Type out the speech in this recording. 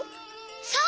そう！